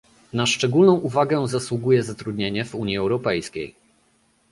Na szczególną uwagę zasługuje zatrudnienie w Unii Europejskiej